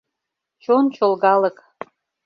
Чон чолгалык.